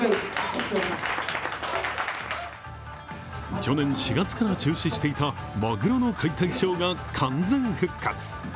去年４月から中止していた、まぐろの解体ショーが完全復活。